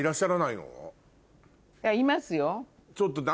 いますよ。